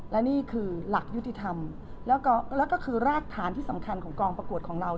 และนี่คือหลักยุติธรรมแล้วก็คือรากฐานที่สำคัญของกองประกวดของเรา